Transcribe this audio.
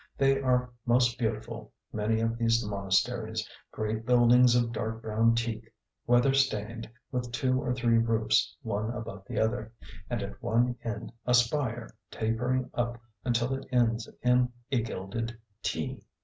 They are most beautiful, many of these monasteries great buildings of dark brown teak, weather stained, with two or three roofs one above the other, and at one end a spire tapering up until it ends in a gilded 'tee.'